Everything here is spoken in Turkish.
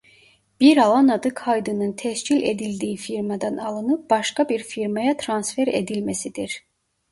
Bir alan adı kaydının tescil edildiği firmadan alınıp başka bir firmaya transfer edilmesidir.